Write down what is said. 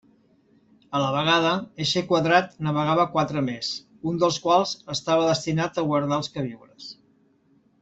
A la vegada eixe quadrat n'amagava quatre més, un dels quals estava destinat a guardar els queviures.